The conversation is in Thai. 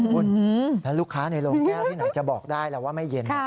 คุณแล้วลูกค้าในโรงแก้วที่ไหนจะบอกได้แล้วว่าไม่เย็น